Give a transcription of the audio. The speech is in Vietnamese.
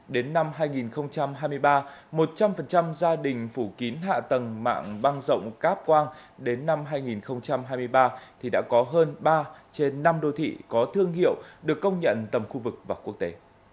đến năm hai nghìn hai mươi ba một trăm linh gia đình phủ kín hạ tầng mạng băng rộng cáp quang đến năm hai nghìn hai mươi ba thì đã có hơn ba trên năm đô thị có thương hiệu được công nhận tầm khu vực và quốc tế